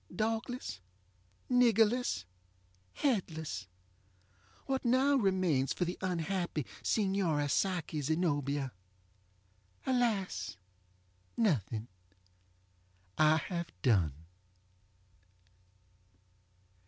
Dogless, niggerless, headless, what now remains for the unhappy Signora Psyche Zenobia? AlasŌĆönothing! I have done.